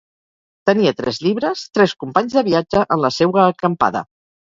Tenia tres llibres, tres companys de viatge en la seua acampada.